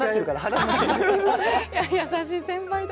優しい先輩だ。